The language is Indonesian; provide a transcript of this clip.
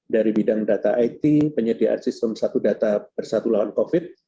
dari bidang data it penyediaan sistem satu data bersatu lawan covid